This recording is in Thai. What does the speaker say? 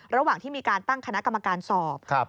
ระหว่างที่มีการตั้งคณะกรรมการสอบ